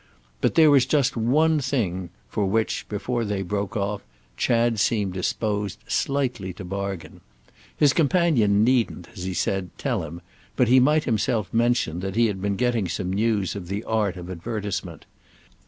But there was just one thing for which, before they broke off, Chad seemed disposed slightly to bargain. His companion needn't, as he said, tell him, but he might himself mention that he had been getting some news of the art of advertisement.